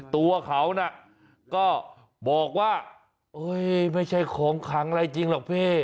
ตัวเขาก็บอกว่าไม่ใช่ของขังอะไรจริงหรอกพี่